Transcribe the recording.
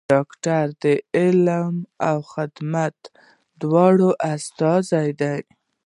ډاکټران د علم او خدمت دواړو استازي دي.